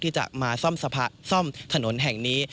ที่จะมาซ่อมถนนแห่งนี้